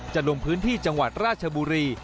ลงพื้นที่จังหวัดราชบุรี